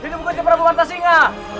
hidup kutip prabu marta singa